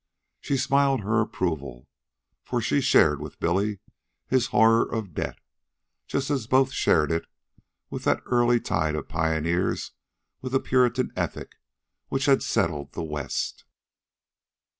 She smiled her approval, for she shared with Billy his horror of debt, just as both shared it with that early tide of pioneers with a Puritan ethic, which had settled the West.